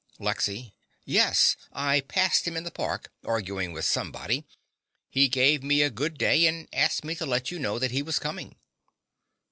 LEXY. Yes. I passed him in the park, arguing with somebody. He gave me good day and asked me to let you know that he was coming.